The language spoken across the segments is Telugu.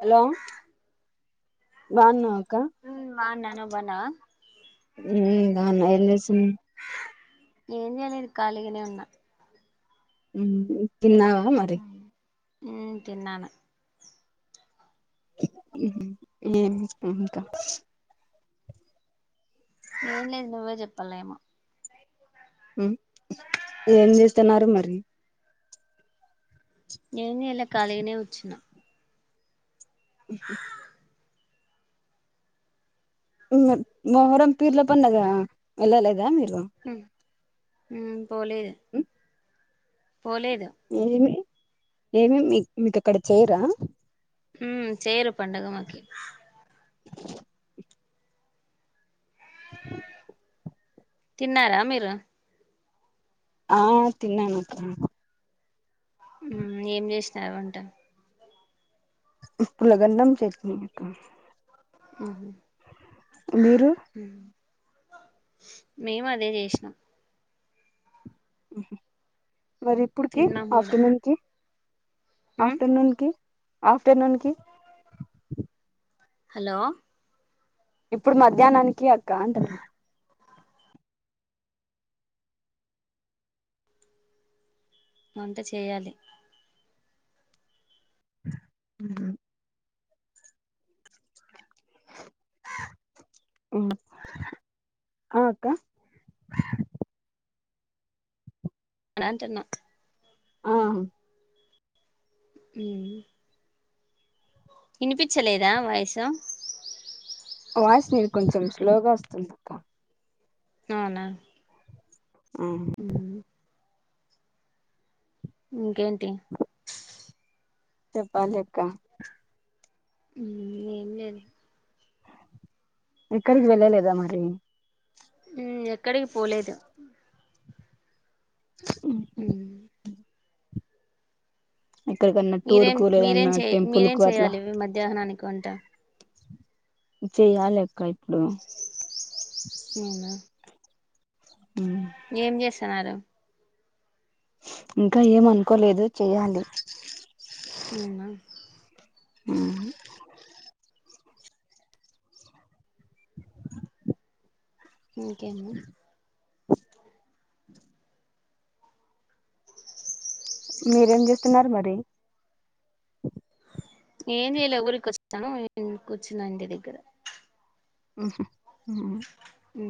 హలో బన్నావ అక్క ఉమ్ బాగున్నా నువ్వు బాగున్నావా ఉమ్ బాగున ఏం చేస్తునావ్ ఏం చేయలేదు ఖాళీగానే ఉన్నా ఉమ్ తిన్నావా మరి ఆ తిన్నను ఉమ్ ఇంకా [inaudible] ఏం లేదు నువ్వే చెప్పాల ఏమో ఏం చేస్తన్నారు మరి ఏం చేయాలే కాలిగనే కూర్చునా మొహరం పీర్ల పండుగ వెళ్ళలేదా మీరు. పోలేదు పోలేదు ఎమీ మీకు అక్కడ చేయరా? మ్ చేయరు పండగ మాకి [inaudible] తిన్నారా మీరు? ఆ తిన్నాను అక్కా ఏం చేసినావు వంట. పులగన్నం చెట్ని మ్ హు మీరు మేము అదే చేసినాం. మరి ఇప్పుడుకి తిన్నాం కూడా ఆఫ్టర్నూన్కి ఉమ్ ఆఫ్టర్నూన్ కి ఆఫ్టర్నూన్ కి హలో ఇప్పుడు మధ్యాహ్నానికి అక్క అంట వంట చేయాలి హ్మ్ [inaudible] ఆ అక్కా ఏడంటన్నా ఆహు మ్ వినిపించలేదా మహేశ్ వాయిస్ మీది కొంచెం స్లోగా వస్తుంది. అవునా ఆ ఉమ్ ఇంకేంటి చెప్పాలక్క ఏంలేదు. ఎక్కడికి వెళ్ళలేదా మరి ఎక్కడికి పోలేదు. [inaudible] మ్ ఎక్కడికన్నా టూర్ కు లేదన్నా టెంపుల్ మీరేం కు అట్లా చేయ్యాలి మధ్యాహ్నానికి వంట. చెయ్యలక్కా ఇప్పుడు అవునా ఏం చేస్తున్నారు? ఇంకా ఏమనుకోలేదు చేయాలి. అవునా మ్ ఇంకేమ్మ మీరేం చేస్తున్నారు మరి. ఏం చేయలే ఊరికి వస్తాను కూర్చున్నా ఇంటి దగ్గర మ్ మ్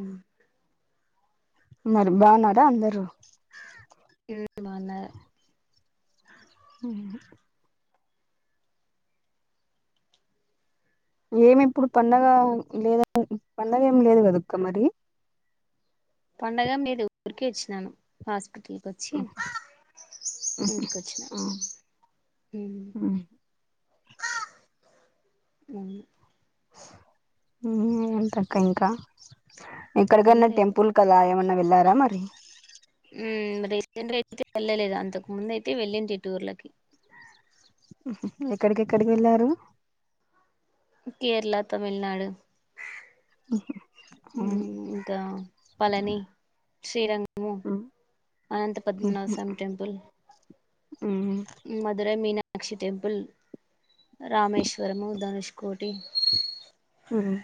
మరి బావున్నరా అందరు మ్ బావున్నా మ్మ్ ఏమి ఇప్పుడు పండగ లేద పండగ ఏమి లేదు కదక్క మరి పండగ ఏం లేదు ఊరికే ఇచ్చినాను పాస్ ఇట్లికి వచ్చి ఇంటికి వచ్చిన మ్ ఆ మమ్మి ఉమ్ ఎంటక్క ఇంకా ఏం ఎక్కడికన్న లేదు టెంపుల్ కల ఏమన్న వెళ్ళార మరి ఉమ్ రీసెంట్గా అయితే వెళ్ళలేదు అంతకు ముందు అయితే వెళ్ళింటి టూర్లకి మ్ హు ఎక్కడికెక్కడికి వెళ్ళారు కేరళ తమిళనాడు ఇంకా పళని శ్రీరంగ మ్ అనంతపద్మనాభస్వామి టెంపుల్ మధురై మీనాక్షి టెంపుల్ రామేశ్వరము ధనుష్కోటి మ్మ్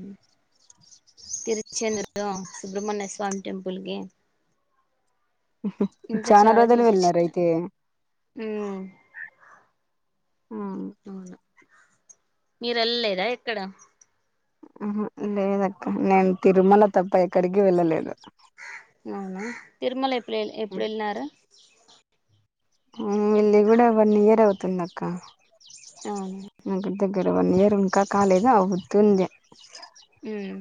మ్ తిరుచెందూర్లో సుబ్రహమణ్య స్వామి టెంపుల్కి చానా రోజులు చూసి వెళ్ళినరు వచ్చిన అయితే ఉమ్ ఆ అవును మీరు ఎళ్ళలేదా ఎక్కడ మ్ హు లేదక్క నేను తిరుమల తప్ప ఎక్కడికి వెళ్ళలేదు అవునా తిరుమల ఎప్పుడు ఎప్పుడు వెళ్ళినారు ఆ వెళ్ళి కూడా వన్ ఇయర్ అవుతుంది అక్క అవును దగ్ గ్గర వన్ ఇయర్ ఇంకా కాలేదు అవుతుంది ఉమ్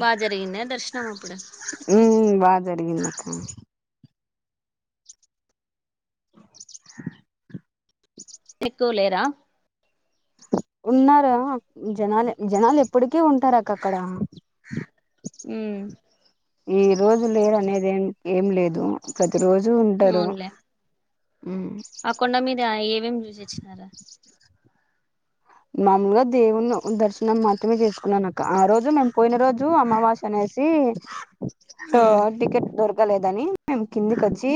బా జరిగింద దర్శనం అప్పుడు జరిగిందక్క చ్చు కు ఎక్కువ లేరా ఉన్నారా జనాలు జనాలు ఎప్పుడుకి ఉంటారు అక్క అక్కడ ఉమ్ ఈ రోజు లేరు అనేది ఏం ఏం లేదు ప్రతి రోజు ఉంటారు అకొండ మీద ఏవేమి చూసొచ్చినారు చ్ మాముూలుగా దేవుని దర్శనం మాత్రమే చేసుకున్నాను అక్క ఆ రోజు మేము పోయిన రోజు అమావాస్య అనే సి టో ఉమ్ టికెట్ దొరుక్ కలేదని మేము కిందికి వచ్చి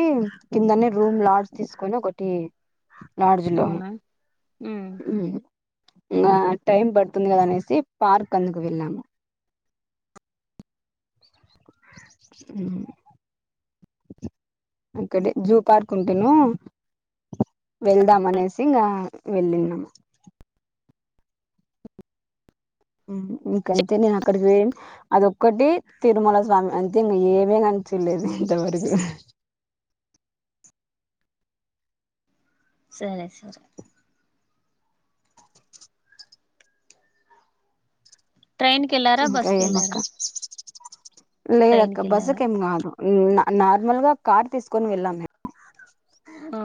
కిందనే రూమ్ లాడ్జ్ తీసుకొని ఒకటి లాడ్జ్ లో అవునా ఉమ్ మ్ ఇంగ టైం పడుతుంది కదా అనేసి పార్క్ అందుకు వెళ్ళాము మ్ అక్కడే జూ పార్క్ ఉంటేను వెళ్దాం అనేసి ఇంకా వెళ్లినాం ఇంకంతే నేను అక్కడికి పోయి అదొక్కటి తిరుమల స్వామి అంతే ఇంకా ఏమే గని చూడలేదు ఇంతవరకు సరే సరే ట్రైన్ కి వెళ్ళారా ఇంకా బస్ కి ఏ వెళ్ళారా మక్క ట్రైన్ కి లేదక్క వెళ్ళారా బస్సుకెం కాదు నార్మల్ గా కార్ తీసుకొని వెళ్లాం మేము ఆ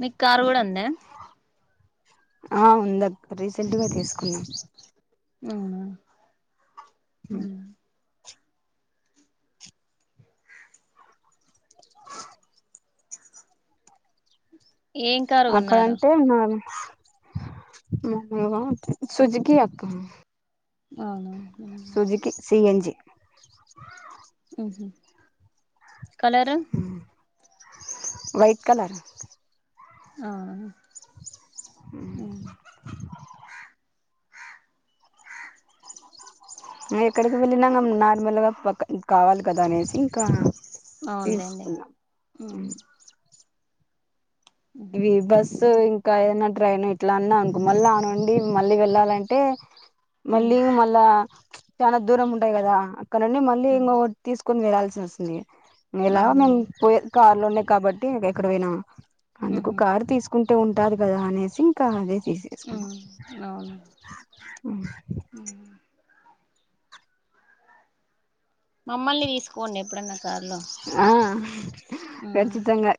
మీకు కారు కూడా ఉందా ఆ ఉంది అక్క రీసెంట్ గా తీసుకున్నాం అవునా ఉ ఏం కారు కొన్నారు అక్కడంటే న సుజుకి అక్క అవునా సుజికి సిఎన్ జి ఉహు కలరు వైట్ కలర్ ఆ ఎక్కడికి వెళ్ళినా నార్మల్ గా పక్క కావాలి కదా అనేసి ఇంకా అవునులేండి తీసుకున్నా ఉమ్. ఉహు. ఇవి బస్సు ఇం ఇంకా ఏదన్నా ట్రైన్ ఇట్లా అన్నా అనుకో మళ్ళీ ఆ నుండి మళ్ళీ వెళ్ళాలంటే మళ్ళీ ఉమ్. ఇంగ మళ్ళా చాన దూరం ఉంటాయి కదా అక్కడ నుండి మళ్ళీ ఉమ్. ఇంకొకటి తీసుకు కొని వేలాల్సి వస్తుంది ఎలాగా మేము అవునులేండి పోయే ది కార్ లోనే కాబట్టి ఎక్కడ పోయినా అందుకు ఉహు కారు తీసుకుంటే ఉంటాది కదా అనేసి ఇంకా అదే తీసేసుకున్నాం ఉమ్. అవును మమ్మల్ని తీసుకోపోండి ఎప్పుడన్నా కార్లో ఆ ఖచ్చితంగా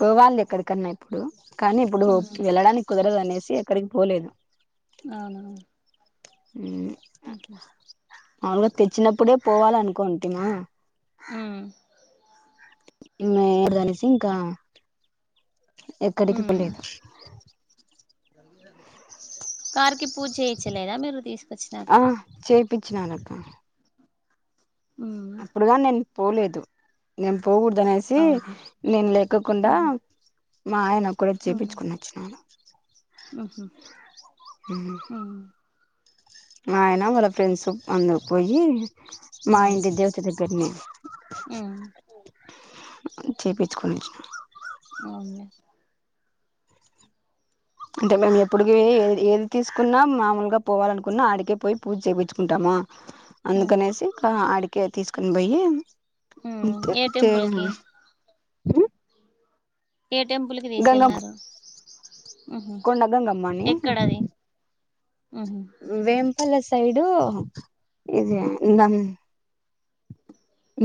పోవాలి ఎక్కడికన్నా ఇప్పుడు కానీ ఇప్పుడు ఉమ్. వెళ్ళడానికి కుదరదు అనేసి ఎక్కడికి పోలేదు అవునా హ మామూలు గా తెచ్చినప్పుడే పోవాలి అనుకుంటిమా ఉమ్. ఇమేయకూడదు అనేసి ఇంకా ఎక్కడికి పోలేదు కార్ కి పూజ చేయిచ్చలేదా మీరు తీసుకొచ్చినాక పిచ్చినానుఅక్క ఉమ్ అప్పుడు గానీ నేను పోలేదు నేను పోకూడదు అనేసి అవును నేను లేక కుండా ఉహు మా ఆయన కూడా చేపించుకుని వచ్చినాను అహ్ అ మా ఆయన వాళ్లా ఫ్రెండ్స్ అందుకు పోయి మా అవును ఇంటి దేవత దగ్గరనే ఉమ్ చేపించుకుని అవునులే అంటే మేము ఇప్పుడికి ఏది తీసుకున్నా మామూలుగా పోవాలనుకున్నా ఆడికే పోయి పూజ చేపించుకుంటామ ఉమ్ అందుకనేసి ఆడికె తీసుకొని పోయి ఉమ్ అంతే ఏ తే టెంపుల్కి హ్మ్ ఏ టెంపుల్కి తీసుకెళ్ళినారు ఊహ్మ్ కొండ గంగమ్మ అని ఎక్కడది ఆహ వాళ్ళ సైడు ఇదే నమ్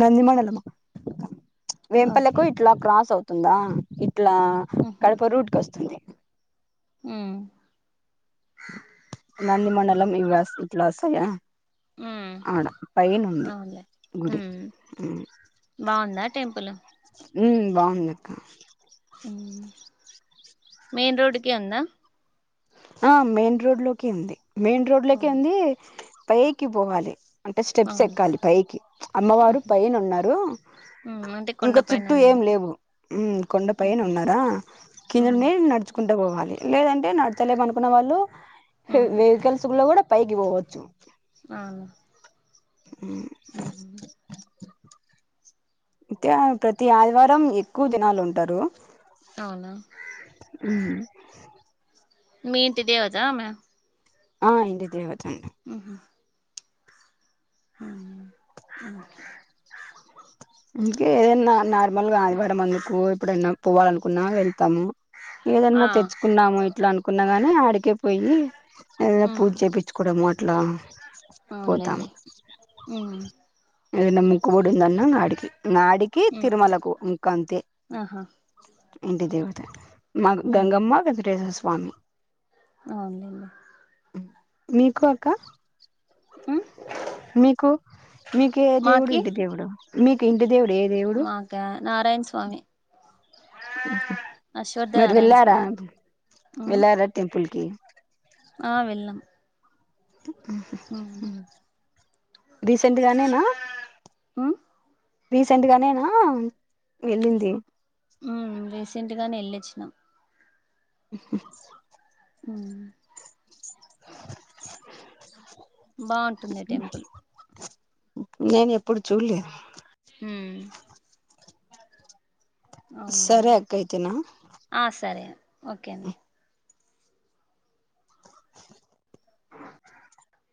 నంది మధనం ఓకే వేంపల్లకు ఇట్లా క్రాస్ అవుతుందా ఇట్లా కడప రూట్కీ వస్తుంది హ్మ్ నంది మండలం ఇవష్ ఇంట్లోస్తాయా ఉమ్ ఆడ పైనుంది అవునులే గుడి ఉమ్ ఆ బాగుందా టెంపుల్ ఉ బాగుంది అక్క మెయిన్ రోడ్కి ఉంద ఆ మెయిన్ రోడ్ లోకి ఉంది మెయిన్ రోడ్ లోకి ఉమ్ ఉంది పైకి పోవాలి అంటే స్టెప్స్ అవును ఎక్కాలి పైకి అమ్మవారు పైన ఉన్నారు ఉమ్ అంటే కొండ ఇంకా పైన చుట్టూ ఏం ఉన్నదా లేవు హ్మ్ కొండపైనే ఉన్నారా ఉమ్ కిందనే నడుచుకుంటే పోవాలి లేదంటే నడచలేమ అనుకున్న వాళ్ళు ఉమ్ వెహికల్స్ ఉన్న కూడా పైకి పోవచ్చు అవున అ అ తే ప్రతి ఆదివారం ఎక్కువ జనాలు ఉంటారు అవునా ఉమ్, మీ ఇంటి దేవత ఆమె ఆ ఇంటిదేవతే ఆహా అవునా అ ఓకే అందుకే ఏదైనా నార్మల్గా ఆదివారం అనుకో ఇప్పుడన్నా పోవాలనుకున్నా వెళ్తాము ఆ ఏదన్నా తెచ్చుకున్నాము ఇట్లా అనుకున్నా గాని ఆడికే పోయి ఏదైనా ఉమ్ పూజ చేపించుకోవడం అట్లా పోతాము అవునులేండి ఉమ్ ఏదన్నా మొక్కుబడి ఉంద అన్నా ఆడికి నాడికి ఉమ్ తిరుమలకు ఇంకా అంతే ఆహా ఉంది దేవత మ ఉమ్ గంగమ్మ వెంకటేశ్వర స్వామి అవునులేండి మీకు అక్క ఉమ్ మీకు మీకే దేవుడు మాకి ఇంటి దేవుడు మీకు ఇంటి దేవుడు ఏ దేవుడు మాకా నారాయణ స్వామి అశ్వద్ధ మరి నారాయణ వెళ్ళారా స్వామి ఉమ్ వెళ్ళారా టెంపుల్కి ఆ వెళ్ళాం ఊహ్మ్ ఉమ్ హ్మ్ రీసెంట్గానేనా ఉమ్ రీసెంట్ గానేనా వెళ్ళింది ఊ రీసెంట్ గానే వెళ్ళొచ్చినాం ఉ హు ఉ బాగుంటుంది టెంపుల్ నేను ఎప్పుడు చూలే ఉ సరే అవున్లేండి అక్క అయితేనా ఆ సరే ఓకే అండి